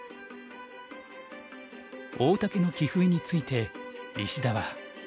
大竹の棋風について石田は。